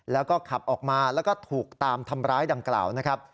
แล้วก็ขับออกมาแล้วก็ถูกตามทำร้ายดังกล่าวนะครับ